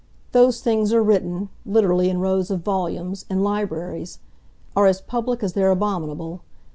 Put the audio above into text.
Those things are written literally in rows of volumes, in libraries; are as public as they're abominable.